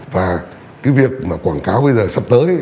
và cái việc mà quảng cáo bây giờ sắp tới